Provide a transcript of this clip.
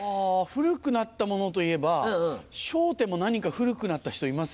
古くなったものといえば『笑点』も何人か古くなった人いますよね？